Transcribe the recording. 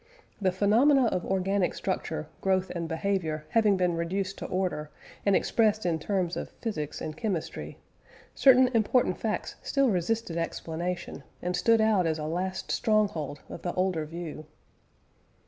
The phenomena of organic structure, growth, and behaviour having been reduced to order, and expressed in terms of physics and chemistry, certain important facts still resisted explanation, and stood out as a last stronghold of the older view.